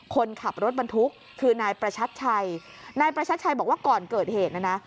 คนขับรถบรรทุกคือนายประชัดชัยนายประชัดชัยบอกว่าก่อนเกิดเหตุนะนะ